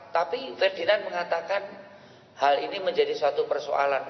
tapi ferdinand mengatakan hal ini menjadi suatu persoalan